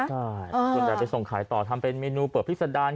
จนได้ไปส่งขายต่อทำเป็นเมนูเปิดพริกสะดาน